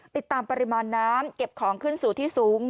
ติดตามปริมาณน้ำเก็บของขึ้นสู่ที่สูง